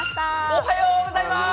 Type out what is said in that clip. おはようございまーす！